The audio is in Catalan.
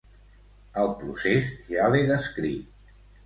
El procés ja l'he descrit.